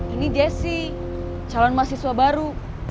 ini dia sih calon mahasiswa baru